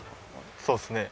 そうですね。